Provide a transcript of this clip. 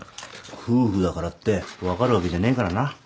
夫婦だからって分かるわけじゃねえからな。